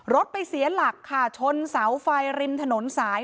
รถไปเสียหลักค่ะชนเสาไฟริมถนนสาย